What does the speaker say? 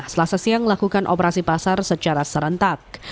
selasa siang melakukan operasi pasar secara serentak